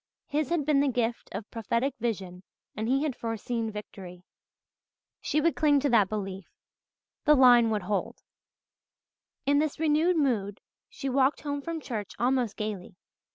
His had been the gift of prophetic vision and he had foreseen victory. She would cling to that belief the line would hold. In this renewed mood she walked home from church almost gaily.